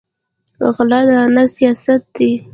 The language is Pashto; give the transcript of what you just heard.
غله دانه سیاست دی.